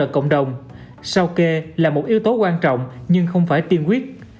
cộng đồng sau kê là một yếu tố quan trọng nhưng không phải tiên quyết